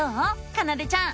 かなでちゃん。